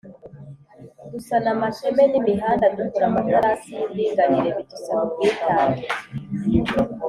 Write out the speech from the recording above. dusana amateme n’imihanda, dukora amatarasi y'indinganire, bidusaba ubwitange